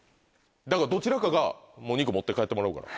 だからどちらかが肉持って帰ってもらうから。